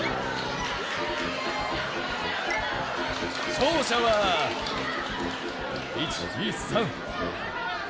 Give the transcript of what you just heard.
勝者は、１、２、３。